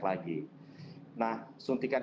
lagi nah sutikan